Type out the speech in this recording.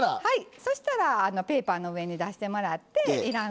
そしたらペーパーの上に出してもらっていらん